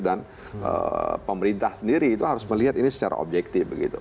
dan pemerintah sendiri itu harus melihat ini secara objektif